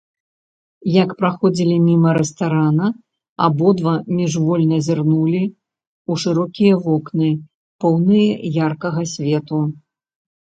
Як праходзілі міма рэстарана, абодва міжвольна зірнулі ў шырокія вокны, поўныя яркага свету.